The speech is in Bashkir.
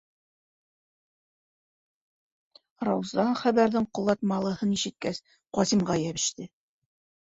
- Рауза, хәбәрҙең ҡолатмалыһын ишеткәс, Ҡасимға йәбеште.